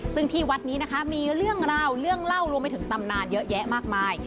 ซึ่งที่วัดนี้นะคะมีเรื่องราวเรื่องเล่ารวมไปถึงตำนานเยอะแยะมากมาย